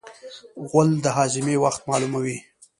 غول د هاضمې وخت معلوموي.